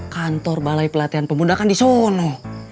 kantor balai pelatihan pemuda kan di sono